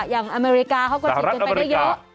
อเมริกาเขาก็ฉีดกันไปได้เยอะ